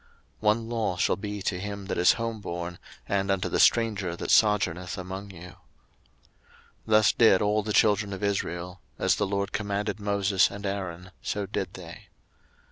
02:012:049 One law shall be to him that is homeborn, and unto the stranger that sojourneth among you. 02:012:050 Thus did all the children of Israel; as the LORD commanded Moses and Aaron, so did they.